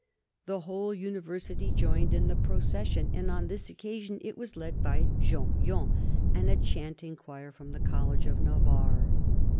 The whole^ Univer sity joined in the procession, and on this occasion it was led by Jean Yon and a chanting choir from the College of Navarre.